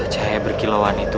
cahaya berkilauan itu